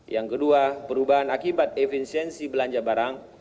yang kedua perubahan akibat efisiensi belanja barang